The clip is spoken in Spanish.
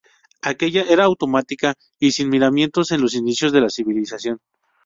Aquella era automática y sin miramientos en los inicios de la civilización.